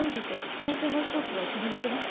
最初の１つは切り抜けました？